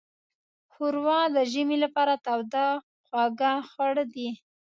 ښوروا د ژمي لپاره توده خوږه خوړو ده.